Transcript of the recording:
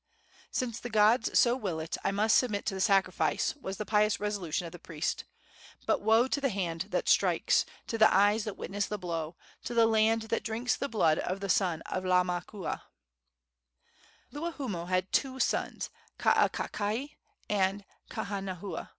"Since the gods so will it, I must submit to the sacrifice," was the pious resolution of the priest; "but woe to the hand that strikes, to the eyes that witness the blow, to the land that drinks the blood of the son of Laamakua!" Luahoomoe had two sons, Kaakakai and Kaanahua.